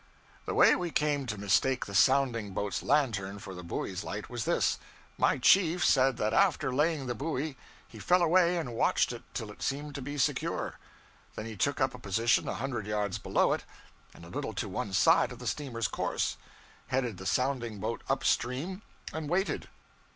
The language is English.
The way we came to mistake the sounding boat's lantern for the buoy light was this. My chief said that after laying the buoy he fell away and watched it till it seemed to be secure; then he took up a position a hundred yards below it and a little to one side of the steamer's course, headed the sounding boat up stream, and waited.